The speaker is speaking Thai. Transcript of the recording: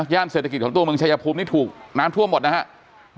เศรษฐกิจของตัวเมืองชายภูมินี่ถูกน้ำท่วมหมดนะครับ